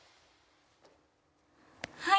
はい！